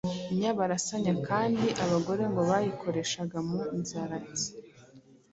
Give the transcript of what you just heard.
inyabarasanya kandi, abagore ngo bayikoreshaga mu nzaratsi,